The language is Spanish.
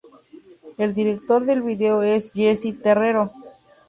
El director del vídeo es Jessy Terrero.